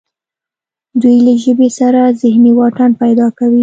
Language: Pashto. دوی له ژبې سره ذهني واټن پیدا کوي